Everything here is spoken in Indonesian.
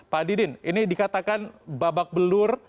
pak didin ini dikatakan babak belur